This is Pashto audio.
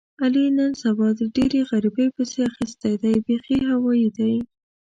علي نن سبا ډېر غریبۍ پسې اخیستی دی بیخي هوایي دی.